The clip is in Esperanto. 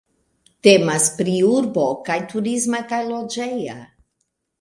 Temas pri urbo kaj turisma kaj loĝeja.